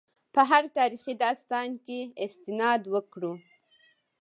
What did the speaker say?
په هر تاریخي داستان استناد وکړو.